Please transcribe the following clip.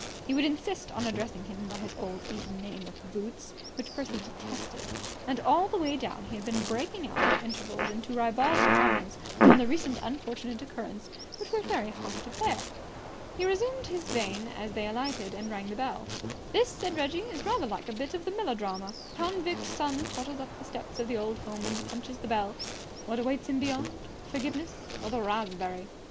He would insist on addressing him by his old Eton nickname of Boots which Percy detested. And all the way down he had been breaking out at intervals into ribald comments on the recent unfortunate occurrence which were very hard to bear. He resumed this vein as they alighted and rang the bell. "This," said Reggie, "is rather like a bit out of a melodrama. Convict son totters up the steps of the old home and punches the bell. What awaits him beyond? Forgiveness? Or the raspberry?